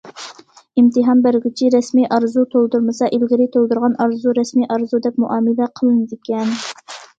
ئىمتىھان بەرگۈچى رەسمىي ئارزۇ تولدۇرمىسا، ئىلگىرى تولدۇرغان ئارزۇ رەسمىي ئارزۇ، دەپ مۇئامىلە قىلىنىدىكەن.